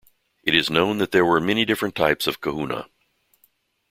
It is known that there were many different types of kahuna.